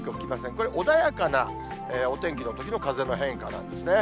これ穏やかなお天気のときの風の変化なんですね。